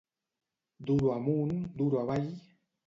Duro amunt, duro avall...